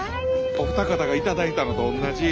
お二方が頂いたのとおんなじ。